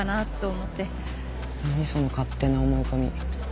その勝手な思い込み。